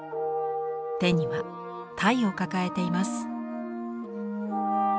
手にはたいを抱えています。